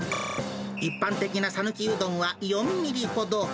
一般的な讃岐うどんは４ミリほど。